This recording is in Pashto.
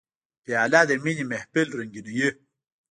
پیاله د مینې محفل رنګینوي.